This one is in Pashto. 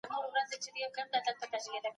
مهارتونه باید زده کړل سي.